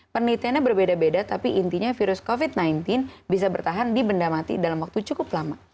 penelitiannya berbeda beda tapi intinya virus covid sembilan belas bisa bertahan di benda mati dalam waktu cukup lama